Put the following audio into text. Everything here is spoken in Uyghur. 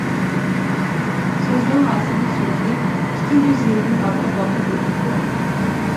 سۆزنىڭ ھاسىلى شۇكى، ئىككى يۈز يىلدىن ئارتۇق ۋاقىت ئۆتۈپتۇ.